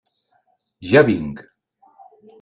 Ja vinc.